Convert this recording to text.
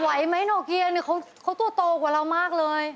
ไหมโนเกียเนี่ยเขาตัวโตกว่าเรามากเลย